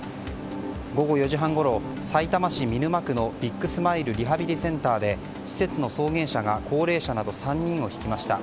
午後４時半ごろさいたま市見沼区のビッグスマイルリハビリセンターで施設の送迎車が高齢者など３人をひきました。